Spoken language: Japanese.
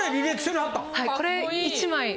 これ１枚。